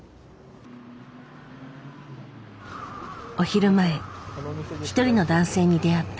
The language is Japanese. お昼前一人の男性に出会った。